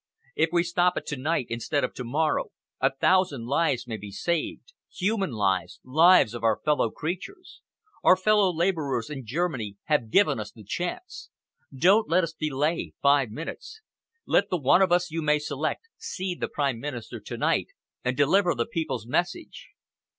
If we stop it to night instead of to morrow, a thousand lives may be saved, human lives, lives of our fellow creatures. Our fellow labourers in Germany have given us the chance. Don't let us delay five minutes. Let the one of us you may select see the Prime Minister to night and deliver the people's message."